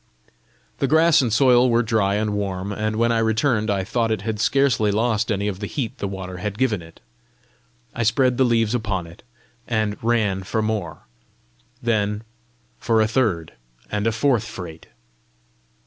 The grass and soil were dry and warm; and when I returned I thought it had scarcely lost any of the heat the water had given it. I spread the leaves upon it, and ran for more then for a third and a fourth freight.